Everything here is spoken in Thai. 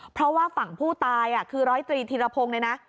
เพราะว่าฝั่งผู้ตายคือร้อยตรีธีรพงศ์เนี่ยนะ